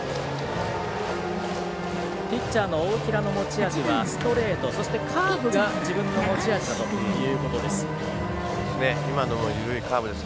ピッチャーの大平の持ち味はストレート、そしてカーブが自分の持ち味だということです。